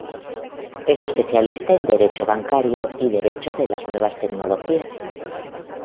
Es especialista en Derecho bancario y Derecho de las nuevas tecnologías.